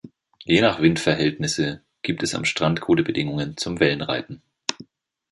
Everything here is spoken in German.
Je nach Windverhältnisse gibt es am Strand gute Bedingungen zum Wellenreiten.